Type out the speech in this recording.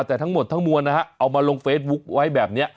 แต่ทั้งหมดทั้งมวลนะฮะเอามาลงเฟซบุ๊คไว้แบบนี้